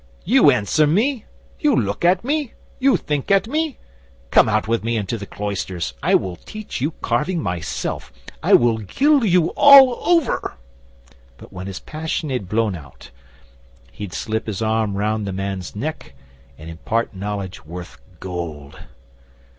"You answer me? You look at me? You think at me? Come out with me into the cloisters. I will teach you carving myself. I will gild you all over!" But when his passion had blown out, he'd slip his arm round the man's neck, and impart knowledge worth gold.